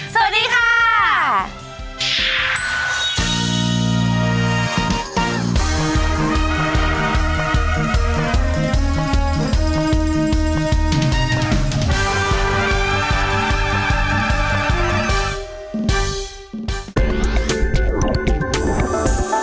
สวัสดีค่ะ